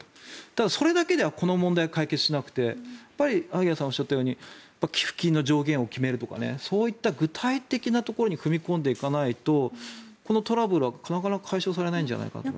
ただ、それだけではこの問題は解決しなくて萩谷さんがおっしゃったように寄付金の上限を決めるとかそういった具体的なところに踏み込んでいかないとこのトラブルはなかなか解消されないんじゃないかと。